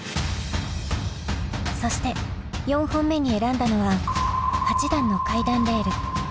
そして４本目に選んだのは８段の階段レール。